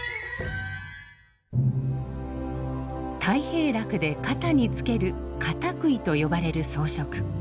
「太平楽」で肩に付ける肩喰と呼ばれる装飾。